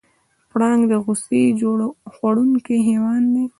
پړانګ د غوښې خوړونکی حیوان دی.